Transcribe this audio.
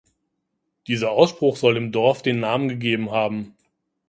Dieser Ausspruch soll dem Dorf den Namen gegeben haben.